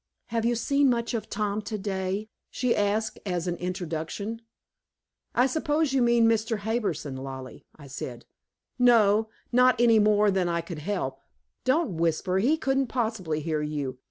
"Have you seen much of Tom today?" she asked, as an introduction. "I suppose you mean Mr. Harbison, Lollie," I said. "No not any more than I could help. Don't whisper, he couldn't possibly hear you.